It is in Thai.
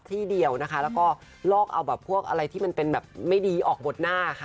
ที่เดียวนะคะแล้วก็ลอกเอาแบบพวกอะไรที่มันเป็นแบบไม่ดีออกบทหน้าค่ะ